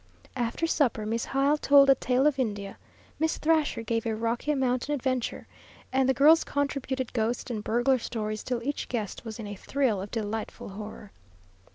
After supper Miss Hyle told a tale of India, Miss Thrasher gave a Rocky Mountain adventure, and the girls contributed ghost and burglar stories till each guest was in a thrill of delightful horror.